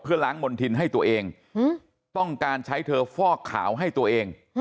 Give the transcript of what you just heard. ล้างมณฑินให้ตัวเองต้องการใช้เธอฟอกขาวให้ตัวเอง